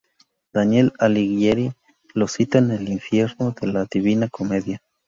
Dante Alighieri lo cita en el del Infierno de la "Divina Comedia".